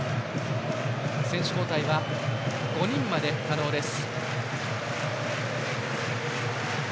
選手交代は５人まで可能です。